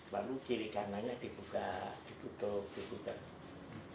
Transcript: lalu kiri kananya dibuka ditutup ditutup